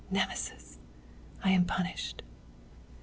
Nemesis! I am punished!"